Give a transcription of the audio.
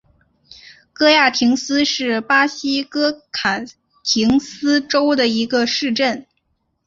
戈亚廷斯是巴西托坎廷斯州的一个市镇。